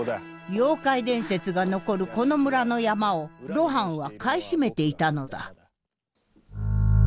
妖怪伝説が残るこの村の山を露伴は買い占めていたのだ。